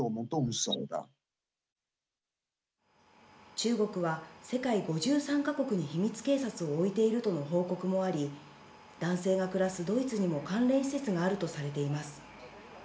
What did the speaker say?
中国は、世界５３か国に秘密警察を置いているとの報告もあり、男性が暮らすドイツにも関連施設があるとされています。